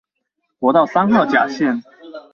國道三號甲線